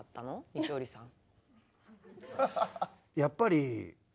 西堀さん。